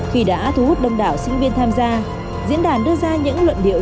khi đã thu hút đông đảo sinh viên tham gia diễn đàn đưa ra những luận điệu